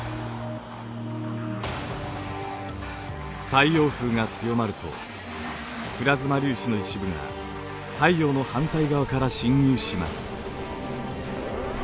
太陽風が強まるとプラズマ粒子の一部が太陽の反対側から侵入します。